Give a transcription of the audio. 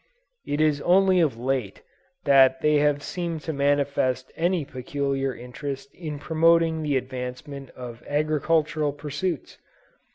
It is only of late that they have seemed to manifest any peculiar interest in promoting the advancement of agricultural pursuits.